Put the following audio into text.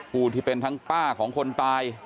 ผู้ที่เป็นทั้งป้าของคนตาย